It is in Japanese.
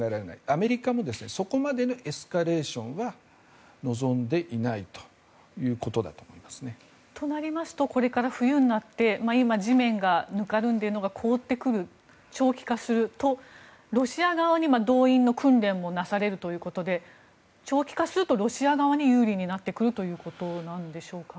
アメリカもそこまでのエスカレーションは望んでいないということだと思いますね。となりますとこれから冬になって今、地面がぬかるんでいるのが凍ってくる長期化するとロシア側に動員の訓練もなされるということで長期化するとロシア側に有利になってくるということでしょうか？